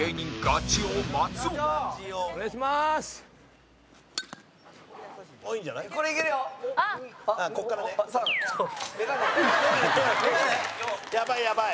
山崎：やばい、やばい。